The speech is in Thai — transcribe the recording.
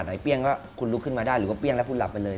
เปรี้ยงก็คุณลุกขึ้นมาได้หรือว่าเปรี้ยงแล้วคุณหลับไปเลย